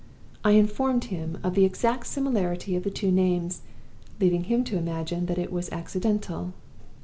I informed him of the exact similarity of the two names; leaving him to imagine that it was accidental.